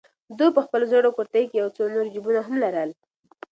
ده په خپل زوړ کورتۍ کې یو څو نور جېبونه هم لرل.